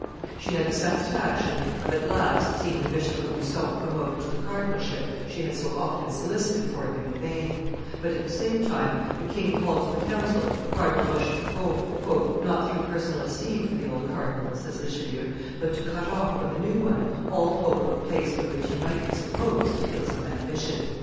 She had the satisfaction of at last seeing the Bishop of Lucon promoted to the cardinalship she had so often solicited for him in vain; but, at the same time, the king called to the council Cardinal Rochefoucauld, "not through personal esteem for the old cardinal," says Richelieu, "but to cut off from the new one all hope of a place for which he might be supposed to feel some ambition."